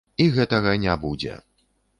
І гэтага не будзе!